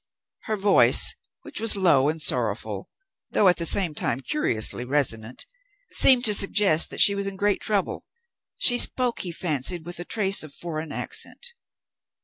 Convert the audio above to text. Her voice, which was low and sorrowful, though at the same time curiously resonant, seemed to suggest that she was in great trouble. She spoke, he fancied, with a trace of foreign accent.